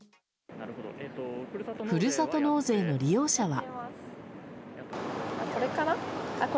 ふるさと納税の利用者は。